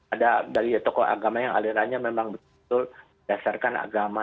ada dari tokoh agama yang alirannya memang betul betul dasarkan agama